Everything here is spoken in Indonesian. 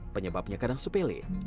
penyebabnya kadang sepele